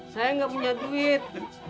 saya gak punya duit